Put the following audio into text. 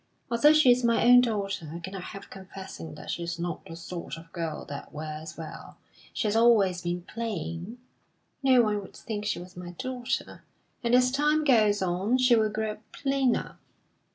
Although she is my own daughter, I cannot help confessing that she is not the sort of girl that wears well; she has always been plain (no one would think she was my daughter) and as time goes on, she will grow plainer.